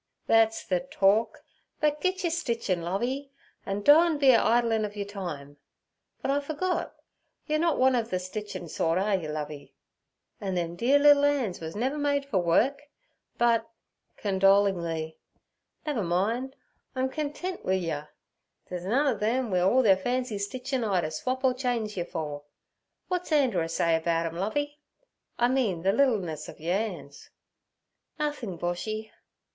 'That's ther talk, but git yer stitchin', Lovey, an' doan be a idlin' of yer time. But I forgot: yer not one ov ther stitchin' sort, are yer, Lovey? An' them deear liddle 'an's wur never made fer work; but' condolingly, 'never mind, I'm kintent wi' yer. They's none ov 'em, wi' all their fancy stitchin', I'd a swop or change yer fer. W'at's Anderer say about 'em, Lovey?—I mean ther liddleness ov yer 'ands.' 'Nothing, Boshy.'